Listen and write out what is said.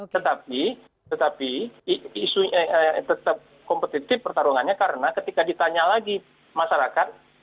tetapi tetapi isunya tetap kompetitif pertarungannya karena ketika ditanya lagi masyarakat